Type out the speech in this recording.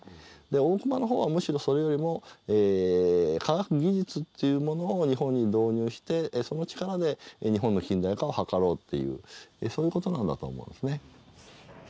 で大隈の方はむしろそれよりも科学技術っていうものを日本に導入してその力で日本の近代化を図ろうっていうそういう事なんだと思うんですね。